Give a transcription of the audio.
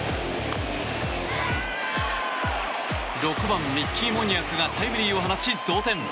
６番、ミッキー・モニアクがタイムリーを放ち、同点。